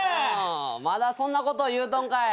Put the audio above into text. まだそんなこと言うとんかい。